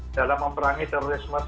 dalam memperangi terorisme